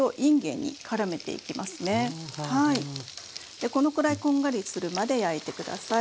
でこのくらいこんがりするまで焼いて下さい。